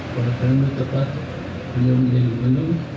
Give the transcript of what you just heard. kalau terlalu tepat beliau melihat menunggu